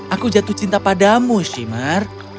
aku jatuh cinta padamu shimmer